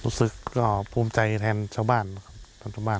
รู้สึกก็ภูมิใจแทนชาวบ้านครับ